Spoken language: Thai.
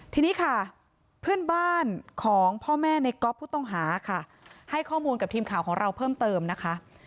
ทีนี้ค่ะเพื่อนบ้านของพ่อแม่ในก๊อฟผู้ต้องหาค่ะให้ข้อมูลกับทีมข่าวของเราเพิ่มเติมนะคะ